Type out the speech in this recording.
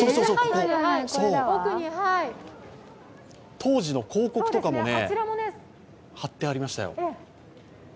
当時の広告とかも貼ってありましたよ。